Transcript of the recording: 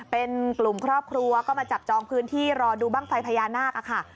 เป็นกลุ่มครอบครัวก็มาจับจองพื้นที่รอดูบ้างไฟพญานาคค่ะ